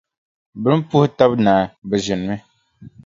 Bɛ ni puhi taba naai, bɛ ʒinimi.